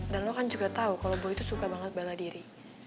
dan lo kan juga tau kalo boy tuh suka banget bala diri